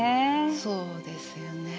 そうですよね。